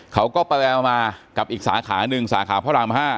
เขาก็ไปมากับอีกสาขา๑สาขาพระราม๕